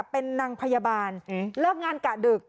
เป็นนางพยาบาลเลิกงานกะดึก